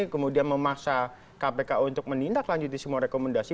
kemudian memaksa kpk untuk menindaklanjuti semua rekomendasi